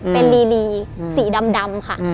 เป็นลีสีดำค่ะ